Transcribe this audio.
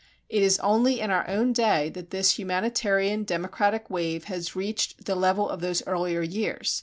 It is only in our own day that this humanitarian democratic wave has reached the level of those earlier years.